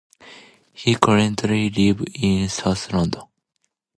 He currently lives in South London.